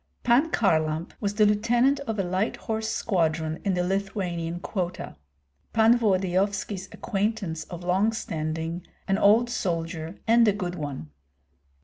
Pan Kharlamp was the lieutenant of a light horse squadron in the Lithuanian quota. Pan Volodyovski's acquaintance of long standing, an old soldier and a good one.